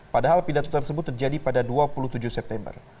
padahal pidato tersebut terjadi pada dua puluh tujuh september